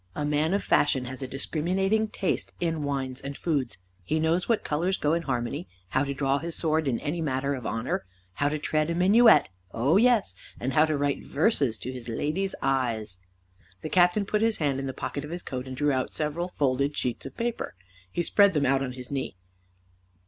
A man of fashion has a discriminating taste in wines and foods. He knows what colors go in harmony, how to draw his sword in any matter of honor, how to tread a minuet oh, yes, and how to write verses to his lady's eyes." The Captain put his hand in the pocket of his coat and drew out several folded sheets of paper. He spread them out on his knee.